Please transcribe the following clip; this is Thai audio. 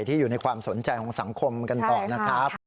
ที่อยู่ในความสนใจของสังคมกันต่อนะครับ